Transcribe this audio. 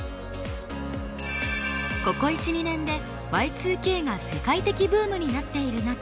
ここ１２年でＹ２Ｋが世界的ブームになっている中